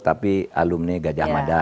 tapi alumni gajah mada